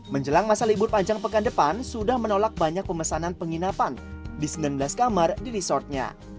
menjelang masa libur panjang pekan depan sudah menolak banyak pemesanan penginapan di sembilan belas kamar di resortnya